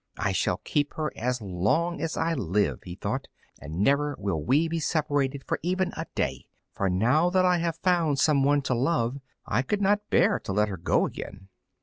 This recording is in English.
"I shall keep her as long as I live," he thought, "and never will we be separated for even a day. For now that I have found some one to love I could not bear to let her go again."